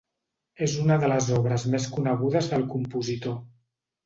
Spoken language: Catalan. És una de les obres més conegudes del compositor.